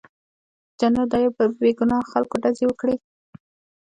جنرال ډایر په بې ګناه خلکو ډزې وکړې.